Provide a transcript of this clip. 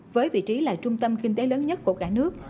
với vị trí là trung tâm kinh tế lớn nhất của cả nước